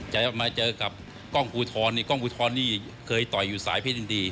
จะมาเจอกับกล้องกูท้อนนี่กล้องกูท้อนนี่เคยต่อยอยู่สายพิษดี